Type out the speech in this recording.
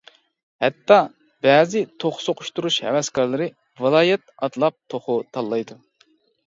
ھەتتا، بەزى توخۇ سوقۇشتۇرۇش ھەۋەسكارلىرى ۋىلايەت ئاتلاپ توخۇ تاللايدۇ.